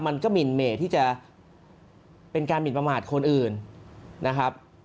หมินเหม่ที่จะเป็นการหมินประมาทคนอื่นนะครับ